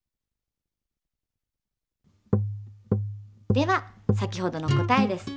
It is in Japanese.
では先ほどの答えです。